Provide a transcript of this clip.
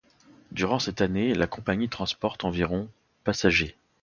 Durant cette année la compagnie transporte environ passagers.